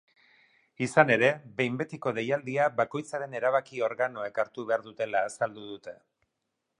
Izan ere, behin-betiko deialdia bakoitzaren erabaki organoek hartu behar dutela azaldu dute.